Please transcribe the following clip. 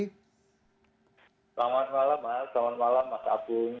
selamat malam mas selamat malam mas agung